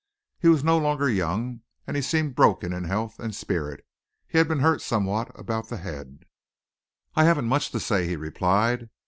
He was no longer young, and he seemed broken in health and spirit. He had been hurt somewhat about the head. "I haven't much to say," he replied.